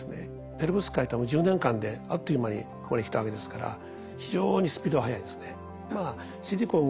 ペロブスカイトはもう１０年間であっという間にここに来たわけですから非常にスピードは速いですね。